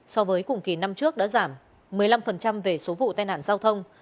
so với cùng kỳ năm trước đã giảm một mươi năm về số vụ tai nạn giao thông